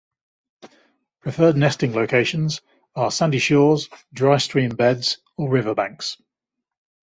Preferred nesting locations are sandy shores, dry stream beds, or riverbanks.